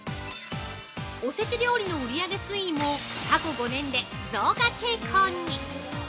おせち料理の売り上げ推移も過去５年で増加傾向に。